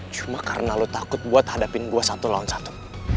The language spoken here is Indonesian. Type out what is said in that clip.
cuma karena lo takut buat hadapin gue satu lawan satu